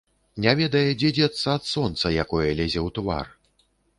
Не ведае, дзе дзецца ад сонца, якое лезе ў твар.